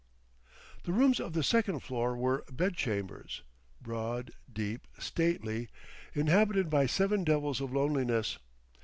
The rooms of the second floor were bedchambers, broad, deep, stately, inhabited by seven devils of loneliness.